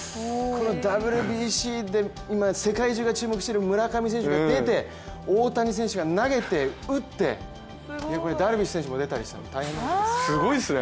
このＷＢＣで世界中が注目している村上選手が出て、大谷選手が投げて打って、ここにダルビッシュ選手も出たりしたら大変なことですよ。